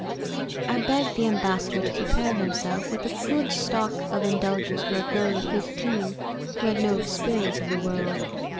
I begged the ambassador to prepare himself with a good stock of indulgence for a girl of fifteen who had no experience of the world.